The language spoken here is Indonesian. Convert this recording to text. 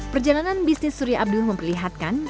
perjalanan bisnis surya abduh memperlihatkan